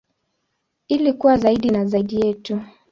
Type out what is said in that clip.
Ili kuwa zaidi na zaidi yetu.